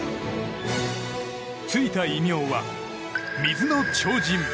ついた異名は、水の超人。